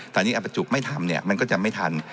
ตอนนี้อาประจุไม่ทำเนี่ยมันก็จะไม่ทัน